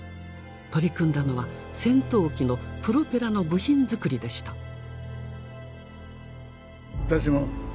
取り組んだのは戦闘機のプロペラの部品づくりでした。